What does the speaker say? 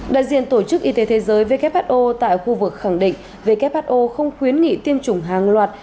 đại diện tổ chức y tế thế giới who tại khu vực khẳng định who không khuyến nghị tiêm chủng hàng loạt